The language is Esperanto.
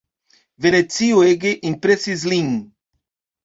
Venecio ege impresis lin.